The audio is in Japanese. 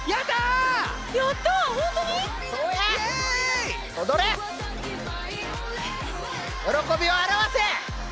喜びを表せ！